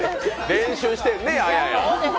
練習してね、あやや。